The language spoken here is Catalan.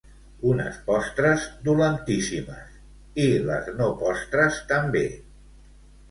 Unes postres dolentíssimes, i les no postres també.